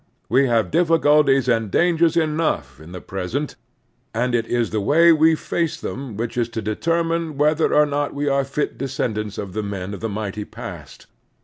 We have difficulties and dangers enough in the present, and it is the way we face them which is to deter mine whether or not we are fit descendants of the men of the mighty past.